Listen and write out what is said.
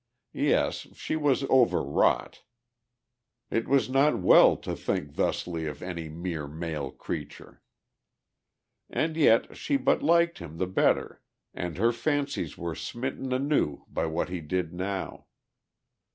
Yes; she was overwrought; it was not well to think thusly of any mere male creature. And yet she but liked him the better and her fancies were smitten anew by what he did now.